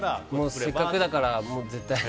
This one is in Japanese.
せっかくだから。